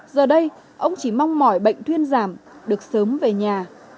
giờ đây ông chỉ mong mỏi bệnh thuyên giảm được sớm về nhà